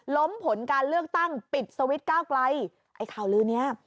ผลการเลือกตั้งปิดสวิตช์ก้าวไกลไอ้ข่าวลือเนี้ย